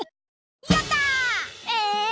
やった！え？